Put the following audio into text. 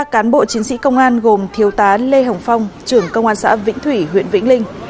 ba cán bộ chiến sĩ công an gồm thiếu tá lê hồng phong trưởng công an xã vĩnh thủy huyện vĩnh linh